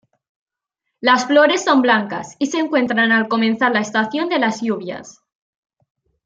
Las flores son blancas, y se encuentran al comenzar la estación de las lluvias.